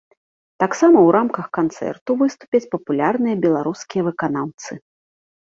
Таксама ў рамках канцэрту выступяць папулярныя беларускія выканаўцы.